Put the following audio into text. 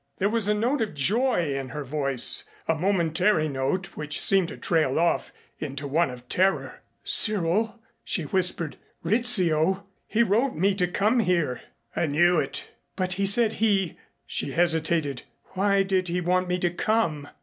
There was a note of joy in her voice, a momentary note which seemed to trail off into one of terror. "Cyril!" she whispered. "Rizzio! He wrote me to come here." "I knew it." "But he said he " she hesitated. "Why did he want me to come?